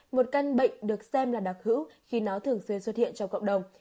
một căn bệnh được xem là đặc hữu khi nó thường xuyên xuất hiện trong cộng đồng